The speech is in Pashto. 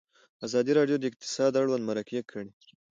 ازادي راډیو د اقتصاد اړوند مرکې کړي.